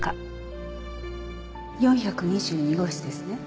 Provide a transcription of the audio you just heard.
４２２号室ですね。